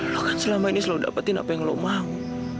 lo kan selama ini selalu dapetin apa yang lo mau